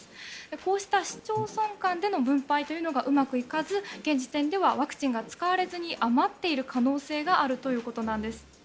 こうした市町村間での分配というのがうまくいかず現時点ではワクチンが使われずに余っている可能性があるということです。